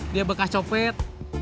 dia bekas nyopet